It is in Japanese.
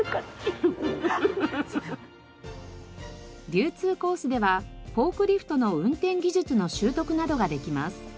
流通コースではフォークリフトの運転技術の習得などができます。